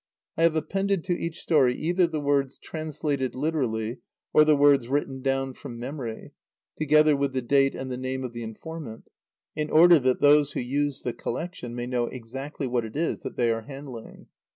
I have appended to each story either the words "translated literally," or the words "written down from memory," together with the date and the name of the informant, in order that those who use the collection may know exactly what it is that they are handling.